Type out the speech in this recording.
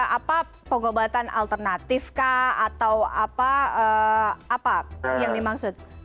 apa pengobatan alternatif kah atau apa yang dimaksud